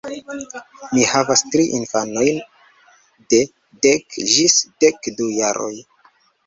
Mi havas tri infanojn de dek ĝis dek du jaroj.